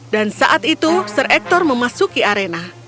dan saat itu sir ektor memasuki arena